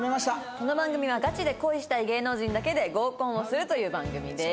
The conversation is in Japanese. この番組はガチで恋したい芸能人だけで合コンをするという番組です。